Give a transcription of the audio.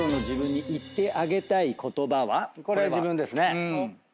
これ自分ですね。